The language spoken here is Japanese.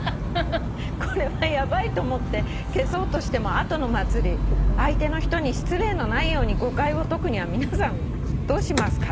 「これはヤバいと思って消そうとしても後の祭り」「相手の人に失礼のないように誤解を解くには皆さんどうしますか？」